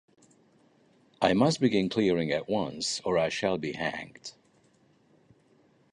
I must begin clearing at once, or I shall be hanged.